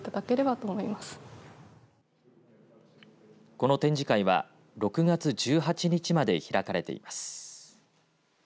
この展示会は６月１８日まで開かれています。